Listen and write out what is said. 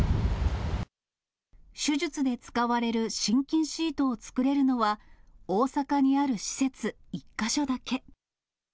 手術で使われる心筋シートを作れるのは、大阪にある施設１か所だけ。